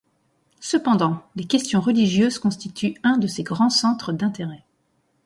Cependant, les questions religieuses constituent un de ses grands centres d'intérêt.